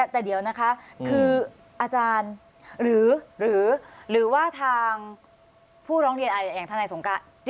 แต่เดี๋ยวนะคะคืออาจารย์หรือว่าทางผู้ร้องเรียนอย่างทนายสงการ